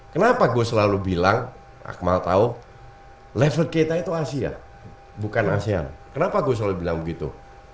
kenapa gue selalu bilang akmal tahu level kita itu asia bukan asean kenapa gue selalu bilang begitu